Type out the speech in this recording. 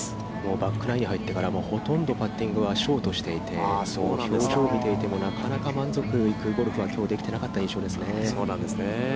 バックナインに入ってからもほとんどパッティングはショートしていて、表情を見ていてもなかなか満足行くゴルフはできていなかった印象ですね。